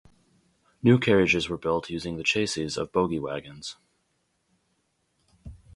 New carriages were built using the chasses of bogie wagons.